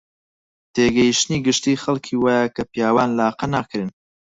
تێگەیشتنی گشتیی خەڵکی وایە کە پیاوان لاقە ناکرێن